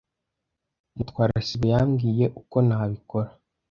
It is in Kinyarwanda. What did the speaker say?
Mutwara sibo yambwiye uko nabikora.